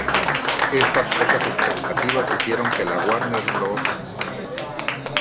Estas pocas expectativas hicieron que la Warner Bros.